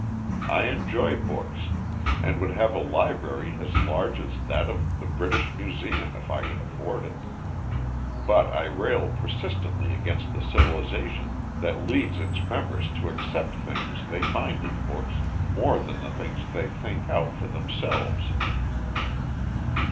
I enjoy books, and would have a library as large as that of the British Museum if I could afford it; but I rail persistently against the civilization that leads its members to accept things they find in books more than the things they think out for themselves.